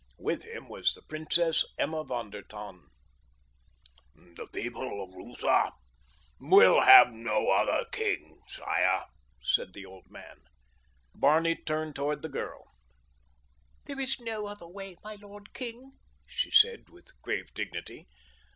With him was the Princess Emma von der Tann. "The people of Lutha will have no other king, sire," said the old man. Barney turned toward the girl. "There is no other way, my lord king," she said with grave dignity.